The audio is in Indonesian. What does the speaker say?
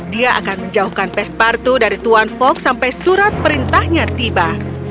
dia akan menjauhkan pespartu dari tuan fox sampai surat perintahnya tiba